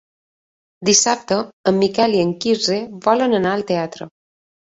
Dissabte en Miquel i en Quirze volen anar al teatre.